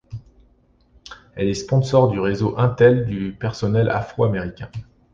Elle est sponsor du réseau Intel du personnel afro-américain.